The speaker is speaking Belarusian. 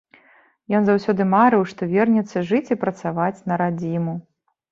Ён заўсёды марыў, што вернецца жыць і працаваць на радзіму.